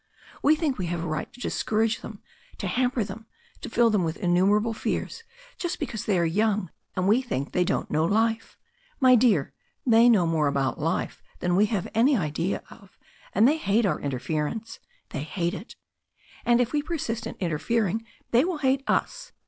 We think we have a right to discourage them, to hamper them, to fill them with innumerable fears, just because they are young, and we think they don't know life. My dear, they know more about life than we have any idea of, and they hate our interference. They hate it. And if we persist in interfering they will hate us.